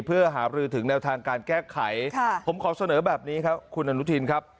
เพื่อหาบรือถึงแนวทางการแก้ไขผมขอเสนอแบบนี้ครับคุณอนุทินครับ